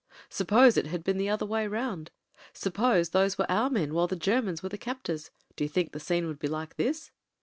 "Suppose it had been the other way roimd ! Suppose those were our men while the Germans were the captors ! Do you think the scene would be like this?"